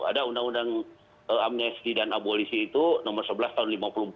ada undang undang amnesti dan abolisi itu nomor sebelas tahun seribu sembilan ratus lima puluh empat